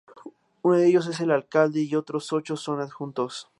Uno de ellos es el alcalde y otros ocho son sus adjuntos.